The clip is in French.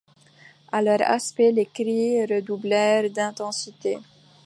À leur aspect les cris redoublèrent d’intensité.